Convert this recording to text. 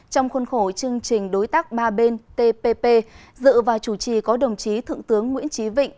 trong khuôn khổ chương trình đối tác ba bên tpp dự và chủ trì có đồng chí thượng tướng nguyễn trí vịnh